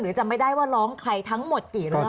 จำไม่ได้ว่าร้องใครทั้งหมดกี่เรื่อง